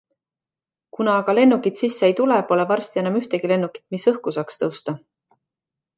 Kuna aga lennukid sisse ei tule, pole varsti enam ühtegi lennukit, mis õhku saaks tõusta.